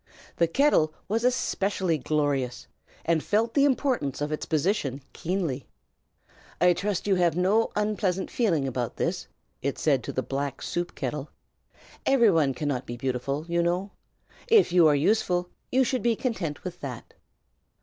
The kettle was especially glorious, and felt the importance of its position keenly. "I trust you have no unpleasant feeling about this," it said to the black soup kettle. "Every one cannot be beautiful, you know. If you are useful, you should be content with that."